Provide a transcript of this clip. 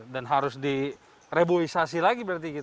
dan harus direbuisasi lagi berarti